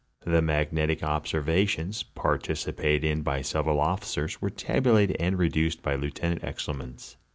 The magnetic observations, participated in by several officers, were tabulated and reduced by Lieutenant Exelmans.